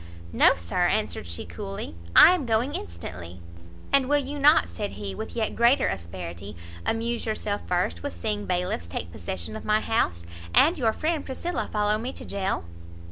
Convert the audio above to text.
"No, Sir," answered she coolly, "I am going instantly." "And will you not," said he, with yet greater asperity, "amuse yourself first with seeing bailiffs take possession of my house, and your friend Priscilla follow me to jail?"